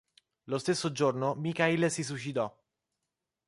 Lo stesso giorno Michail si suicidò.